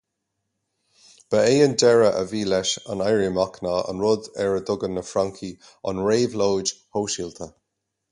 Ba é an deireadh a bhí leis an éirí amach ná an rud ar a dtugann na Francaigh an réabhlóid shóisialta.